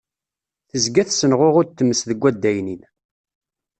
Tezga tessemɣuɣud tmes deg addaynin.